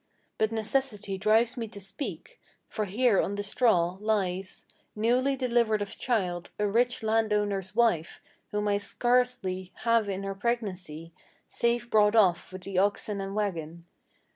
But necessity drives me to speak; for here, on the straw, lies Newly delivered of child, a rich land owner's wife, whom I scarcely Have in her pregnancy, safe brought off with the oxen and wagon.